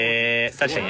確かに。